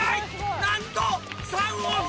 なんと３往復！